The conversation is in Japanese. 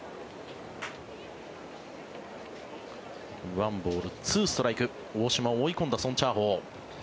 １ボール２ストライク大島を追い込んだソン・チャーホウ。